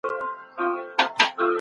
ډېرې ګناوې د ژبې له امله دي.